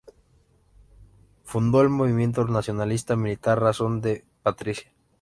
Fundó el movimiento nacionalista-militar Razón de Patria.